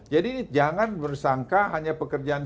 jadi jangan bersangka hanya pekerjaan